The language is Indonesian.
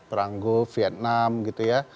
perang go vietnam gitu ya